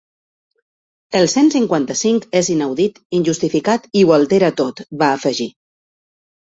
El cent cinquanta-cinc és inaudit, injustificat i ho altera tot, va afegir.